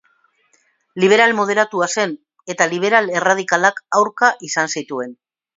Liberal moderatua zen, eta liberal erradikalak aurka izan zituen.